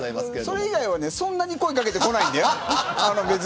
それ以外はそんなに声掛けてこないんだよ。